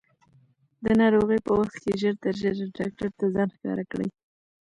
د ناروغۍ په وخت کې ژر تر ژره ډاکټر ته ځان ښکاره کړئ.